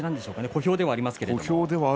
小兵ではありますけども。